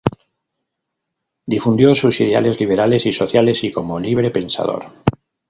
Difundió sus ideales liberales y sociales y como libre pensador.